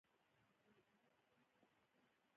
د کڅ لوے جومات راورسېدۀ مونږ تږي شوي وو